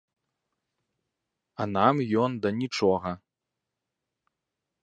А нам ён да нічога.